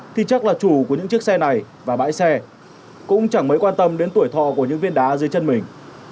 thì chắc là chủ của những chiếc xe này và bãi xe cũng chẳng mấy quan tâm đến tuổi thọ của những viên đá dưới chân mình